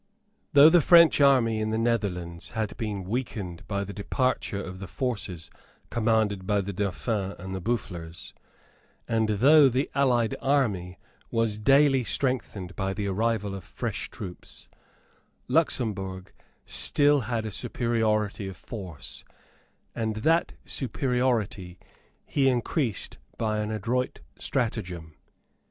Though the French army in the Netherlands had been weakened by the departure of the forces commanded by the Dauphin and Boufflers, and though the allied army was daily strengthened by the arrival of fresh troops, Luxemburg still had a superiority of force; and that superiority he increased by an adroit stratagem.